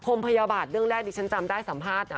มพยาบาทเรื่องแรกที่ฉันจำได้สัมภาษณ์